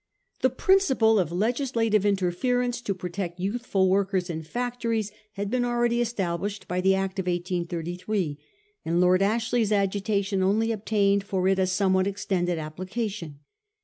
The principle of legislative interference to protect youthful workers in factories had been already established by the Act of 1833 ; and Lord Ashley's agitation only obtained for it a somewhat extended application.